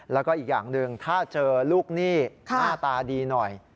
แล้วก็อีกอย่างหนึ่งถ้าเจอลูกหนี้หน้าตาดีหน่อย